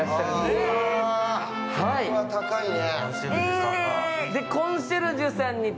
これは高いね。